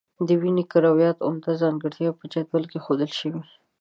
د وینې کرویاتو عمده ځانګړتیاوې په جدول کې ښودل شوي.